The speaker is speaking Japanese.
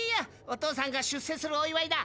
お父さんが出世するお祝いだ。